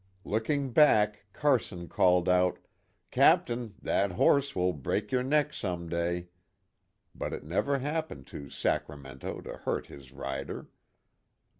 Look ing back Carson called out, 'Captain, that horse will break your neck some day,' but it never happened to ' Sacramento ' to hurt his rider.